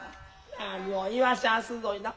何を言わしゃんすぞいな。